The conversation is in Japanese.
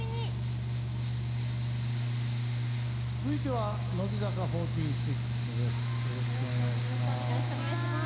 続いては乃木坂４６です。